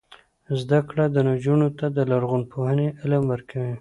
زده کړه نجونو ته د لرغونپوهنې علم ورکوي.